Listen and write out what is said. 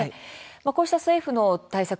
こうした政府の対策